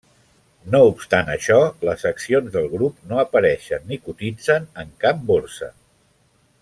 No obstant això, les accions de Grup no apareixen ni cotitzen en cap borsa.